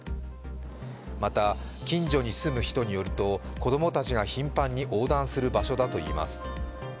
また近所に住む人に夜と子供たちが頻繁に横断する場所だといいます。